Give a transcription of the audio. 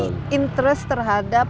ini interest terhadap